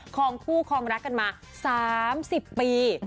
ของคู่คลองรักกันมา๓๐ปี